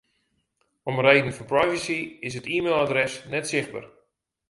Om reden fan privacy is it e-mailadres net sichtber.